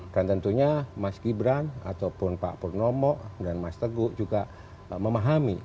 dan tentunya mas gibran ataupun pak purnomo dan mas teguh juga memaham ya